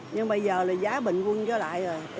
nhưng bây giờ là giá bình quân trở lại rồi